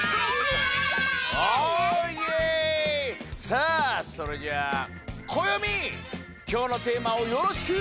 さあそれじゃあこよみきょうのテーマをよろしく！